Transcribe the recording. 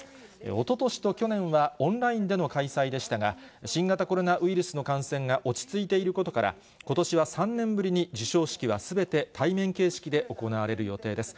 おととしと去年はオンラインでの開催でしたが、新型コロナウイルスの感染が落ち着いていることから、ことしは３年ぶりに、授賞式はすべて対面形式で行われる予定です。